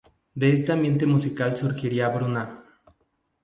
De este ambiente musical surgiría Bruna.